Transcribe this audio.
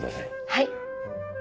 はい！